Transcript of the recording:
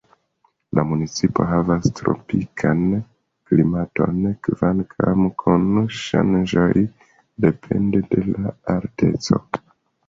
La municipo havas tropikan klimaton kvankam kun ŝanĝoj depende de la alteco.